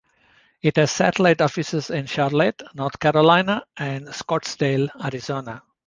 It has satellite offices in Charlotte, North Carolina and Scottsdale, Arizona.